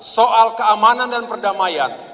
soal keamanan dan perdamaian